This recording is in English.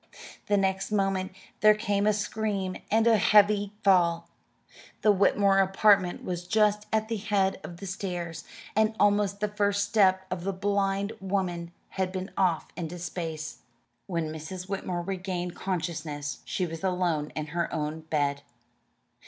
The next moment there came a scream and a heavy fall. The Whitmore apartment was just at the head of the stairs, and almost the first step of the blind woman had been off into space. When Mrs. Whitmore regained consciousness she was alone in her own bed.